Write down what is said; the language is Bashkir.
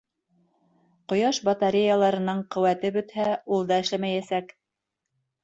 Ҡояш батареяларының ҡеүәте бөтһә, ул да эшләмәйәсәк.